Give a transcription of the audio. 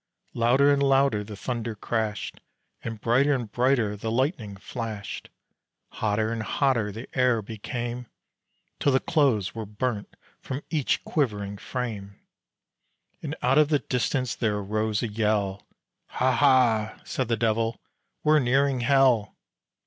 Louder and louder the thunder crashed And brighter and brighter the lightning flashed; Hotter and hotter the air became Till the clothes were burnt from each quivering frame. And out of the distance there arose a yell, "Ha, ha," said the devil, "we're nearing hell!"